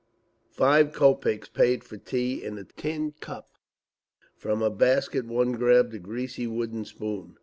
Five kopeks paid for tea in a tin cup. From a basket one grabbed a greasy wooden spoon….